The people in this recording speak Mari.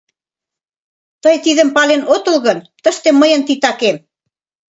— Тый тидым пален отыл гын, тыште мыйын титакем.